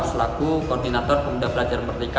selaku koordinator pemuda belajar merdeka